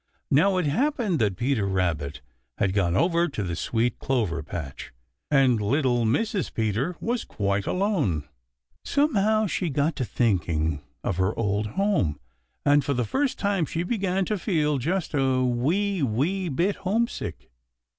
Now it happened that Peter Rabbit had gone over to the sweet clover patch, and little Mrs. Peter was quite alone. Somehow she got to thinking of her old home, and for the first time she began to feel just a wee, wee bit homesick.